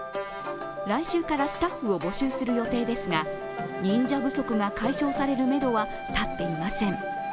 来週からスタッフを募集する予定ですが忍者不足が解消されるめどは立っていません。